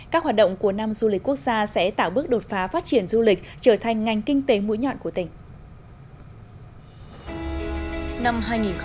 các hoạt động của năm du lịch quốc gia sẽ tạo bước đột phá phát triển du lịch trở thành ngành kinh tế mũi nhọn của tỉnh